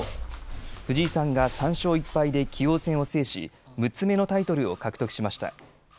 藤井さんが３勝１敗で棋王戦を制し６つ目のタイトルを獲得しました。